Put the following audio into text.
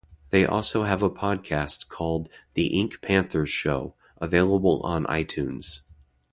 They also have a podcast called "The Ink Panthers Show" available on iTunes.